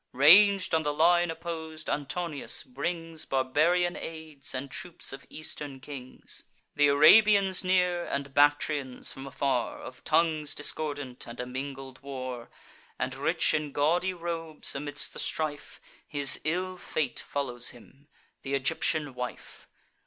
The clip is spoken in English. Rang'd on the line oppos'd, Antonius brings Barbarian aids, and troops of Eastern kings; Th' Arabians near, and Bactrians from afar, Of tongues discordant, and a mingled war: And, rich in gaudy robes, amidst the strife, His ill fate follows him—th' Egyptian wife.